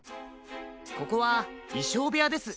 ここはいしょうべやです。